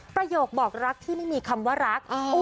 ประโยคบอกรักที่ไม่มีคำว่ารัก